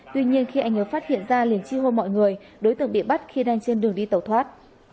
tuy nhiên khi anh ngờ phát hiện ra liền chi hô mọi người đối tượng bị bắt khi đang trên đường đi tẩu thoát